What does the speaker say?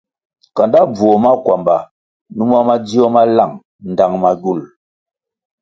Kanda bvuo makwamba numa madzio ma lang ndtang magywul.